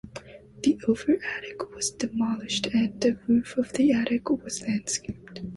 The over attic was demolished and the roof of the attic was landscaped.